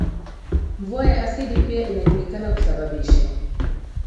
Mvua ya asidi pia inajulikana kusababisha